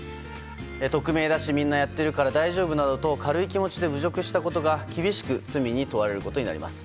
匿名だしみんなやっているから大丈夫などと軽い気持ちで侮辱したことが厳しく罪に問われることになります。